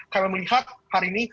kami melihat hari ini